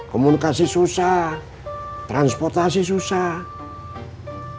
komunikasi susah transportasi susah